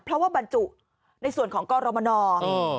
เพราะว่าบรรจุในส่วนของกรมน